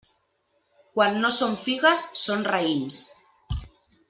Quan no són figues, són raïms.